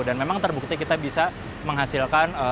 dan memang terbukti kita bisa menghasilkan